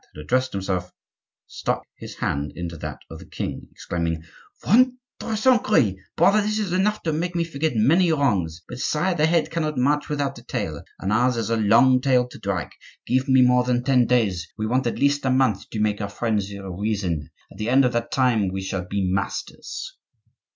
had addressed himself, struck his hand into that of the king, exclaiming: "Ventre saint gris! brother; this is enough to make me forget many wrongs. But, sire, the head cannot march without the tail, and ours is a long tail to drag. Give me more than ten days; we want at least a month to make our friends hear reason. At the end of that time we shall be masters."